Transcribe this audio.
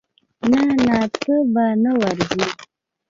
نه نه ته به نه ورزې.